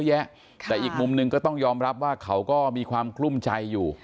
แยะแต่อีกมุมหนึ่งก็ต้องยอมรับว่าเขาก็มีความคลุ้มใจอยู่